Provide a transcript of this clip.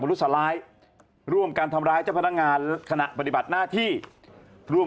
รุษร้ายร่วมกันทำร้ายเจ้าพนักงานขณะปฏิบัติหน้าที่ร่วม